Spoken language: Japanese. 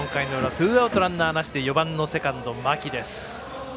ツーアウト、ランナーなしでバッター４番のセカンド、牧。